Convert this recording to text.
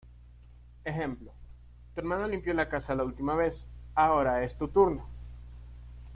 Ejemplo: "Tu hermano limpió la casa la última vez, ahora es tu turno".